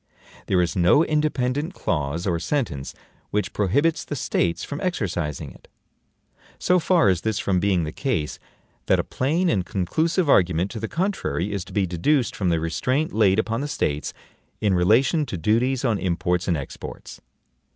There is no independent clause or sentence which prohibits the States from exercising it. So far is this from being the case, that a plain and conclusive argument to the contrary is to be deduced from the restraint laid upon the States in relation to duties on imports and exports.